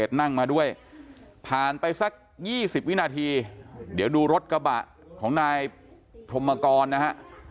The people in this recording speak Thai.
นั่งมาด้วยผ่านไปสัก๒๐วินาทีเดี๋ยวดูรถกระบะของนายพรมกรนะฮะ